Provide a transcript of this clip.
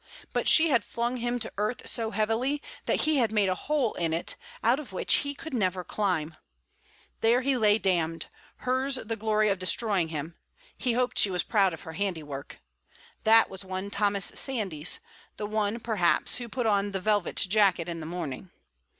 But she had flung him to earth so heavily that he had made a hole in it out of which he could never climb. There he lay damned, hers the glory of destroying him he hoped she was proud of her handiwork. That was one Thomas Sandys, the one, perhaps, who put on the velvet jacket in the morning.